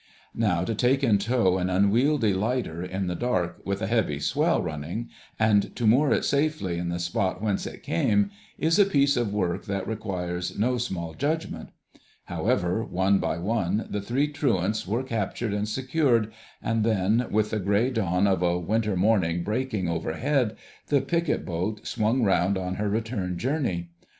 Now to take in tow an unwieldy lighter in the dark with a heavy swell running, and to moor it safely in the spot whence it came, is a piece of work that requires no small judgment. However, one by one, the three truants were captured and secured, and then, with the grey dawn of a winter morning breaking overhead, the picket boat swung round on her return journey.